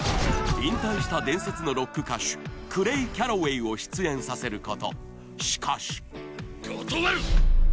引退した伝説のロック歌手クレイ・キャロウェイを出演させることしかし断る！